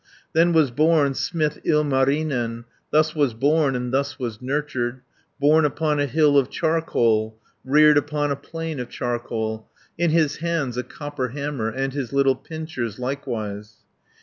"Then was born smith Ilmarinen, Thus was born, and thus was nurtured, Born upon a hill of charcoal, Reared upon a plain of charcoal, 110 In his hands a copper hammer, And his little pincers likewise.